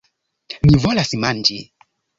Mi volas manĝi.